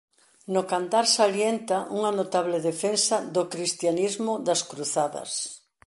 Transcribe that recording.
No cantar salienta unha notable defensa do cristianismo das cruzadas.